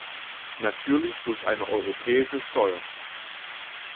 Natürlich durch eine europäische Steuer!